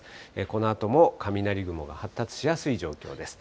このあとも雷雲が発達しやすい状況です。